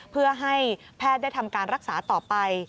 เพื่อให้แพทย์ได้ทำการรักษาต่อไป